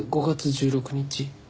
５月１６日。